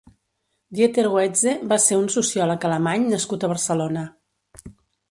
Dieter Goetze va ser un sociòleg alemany nascut a Barcelona.